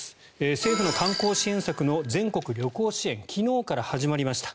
政府の観光支援策の全国旅行支援昨日から始まりました。